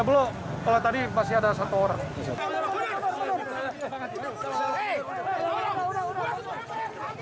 belum kalau tadi masih ada satu orang